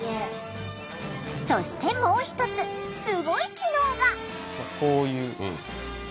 そしてもう一つスゴい機能が！